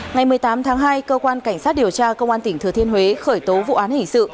ngày một mươi tám tháng hai cơ quan cảnh sát điều tra công an tỉnh thừa thiên huế khởi tố vụ án hình sự